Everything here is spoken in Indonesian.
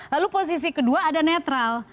lalu posisi kedua ada netral